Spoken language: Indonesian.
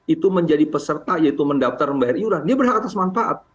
itu menjadi peserta yaitu mendaftar membayar iuran dia berhak atas manfaat